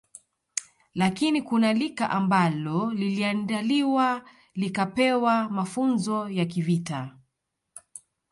Lakini kuna lika ambalo liliandaliwa likapewa mafunzo ya kivita